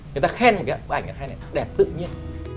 chúng ta khen bức ảnh này nó đẹp tự nhiên